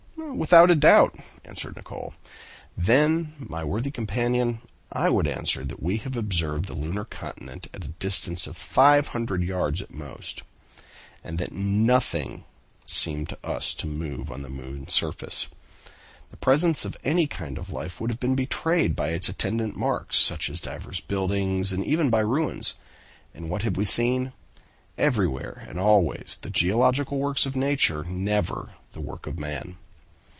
"Without a doubt!" answered Nicholl. "Then, my worthy companion, I would answer that we have observed the lunar continent at a distance of 500 yards at most, and that nothing seemed to us to move on the moon's surface. The presence of any kind of life would have been betrayed by its attendant marks, such as divers buildings, and even by ruins. And what have we seen? Everywhere and always the geological works of nature, never the work of man.